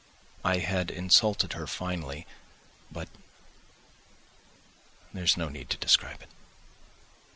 I had insulted her finally, but ... there's no need to describe it.